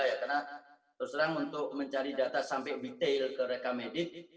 karena terserah untuk mencari data sampai detail ke reka medik